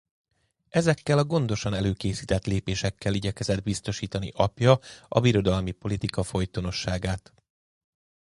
Ezekkel a gondosan előkészített lépésekkel igyekezett biztosítani apja a birodalmi politika folytonosságát.